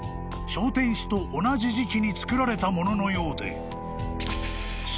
小天守と同じ時期に造られたもののようで］